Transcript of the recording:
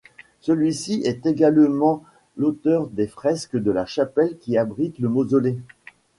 Celui-ci est également l'auteur des fresques de la chapelle qui abrite le mausolée.